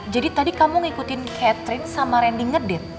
jadi tadi kamu ngikutin catherine sama randy ngedit